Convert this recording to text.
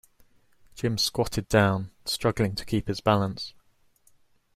Jim squatted down, struggling to keep his balance.